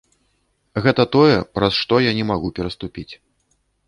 Гэта тое, праз што я не магу пераступіць.